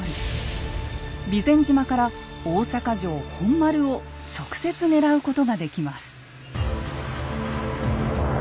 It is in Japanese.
備前島から大坂城本丸を直接狙うことができます。